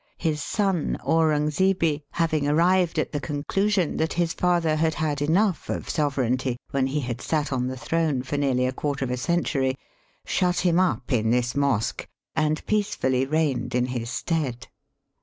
His son Aurung zebe, having arrived at the conclusion that his father had had enough of sovereignty when he had sat on the throne for nearly a quarter of a century, shut him up in this mosque and peacefully reigned in his stead.